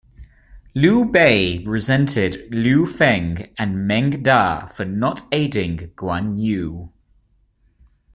Liu Bei resented Liu Feng and Meng Da for not aiding Guan Yu.